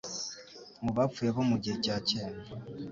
mu bapfuye bo mu gihe cya kera